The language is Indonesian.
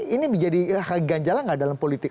ini menjadi ganjalan nggak dalam politik